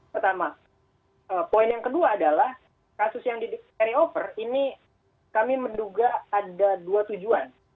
pertama poin yang kedua adalah kasus yang di carry over ini kami menduga ada dua tujuan